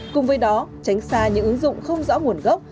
cùng với đó tránh xa những ứng dụng không rõ nguồn gốc